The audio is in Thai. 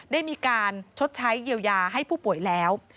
ได้มีการชดใช้เยียวยาให้ผู้ป่วยแล้ว